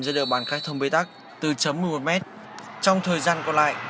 xin chào và hẹn gặp lại